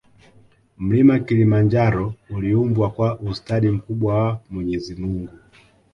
Mlima kilimanjaro uliumbwa kwa ustadi mkubwa wa mwenyezi mungu